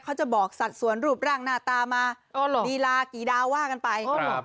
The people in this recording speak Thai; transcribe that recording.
เขาจะบอกสัดสวนรูปร่างหน้าตามาเอาเหรอดีลากี่ดาวว่ากันไปครับ